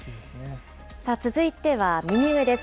続いては右上です。